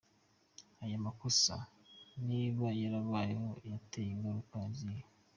Ayo makosa niba yarabayeho yateye ingaruka zihe?